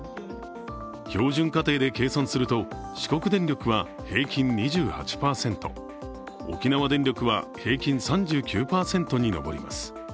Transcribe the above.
標準家庭で計算すると四国電力は平均２８％沖縄電力は平均３９％に上ります。